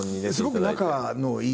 すごく仲のいい同級生？